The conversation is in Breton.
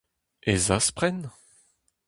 E zaspren ?